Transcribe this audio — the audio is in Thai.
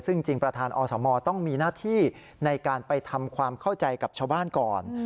ซึ่งจริงประธานอสมต้องมีหน้าที่ในการไปทำความเข้าใจกับชาวบ้านก่อน